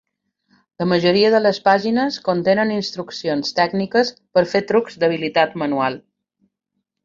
La majoria de les pàgines contenen instruccions tècniques per fer trucs d'habilitat manual.